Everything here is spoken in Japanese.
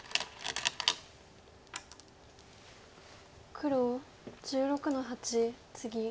黒１６の八ツギ。